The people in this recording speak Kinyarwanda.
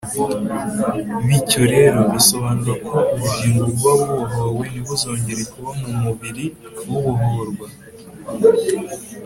bityo rero, bisobanura ko ubugingo buba bubohowe ntibuzongere kuba mu mubiri ubohorwa.